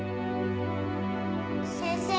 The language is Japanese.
先生。